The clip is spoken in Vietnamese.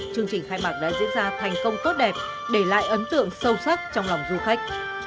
chương trình khai mạc đã diễn ra thành công tốt đẹp để lại ấn tượng sâu sắc trong lòng du khách